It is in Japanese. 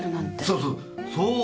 そうそう！